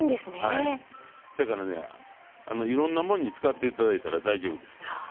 せやから、いろんなもんに使っていただいたら大丈夫です。